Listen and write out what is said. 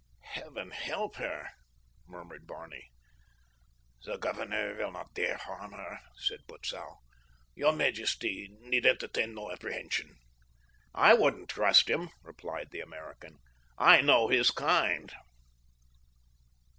"Heaven help her!" murmured Barney. "The governor will not dare harm her," said Butzow. "Your majesty need entertain no apprehension." "I wouldn't trust him," replied the American. "I know his kind."